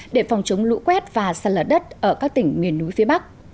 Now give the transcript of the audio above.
để phòng chống lũ quét